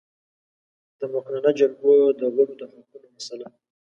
د مقننه جرګو د غړو د حقونو مسئله